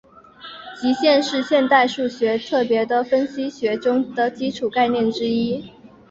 极限是现代数学特别是分析学中的基础概念之一。